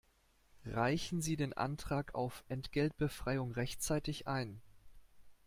Reichen Sie den Antrag auf Entgeltbefreiung rechtzeitig ein!